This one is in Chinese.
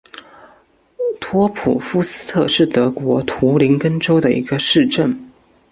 托普夫斯特是德国图林根州的一个市镇。